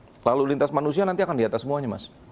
itu semuanya lalu lintas manusia nanti akan diatas semuanya mas